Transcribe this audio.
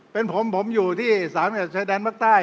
เป็นผมผมอยู่ที่สามเหยาะชายแดงภาคใต้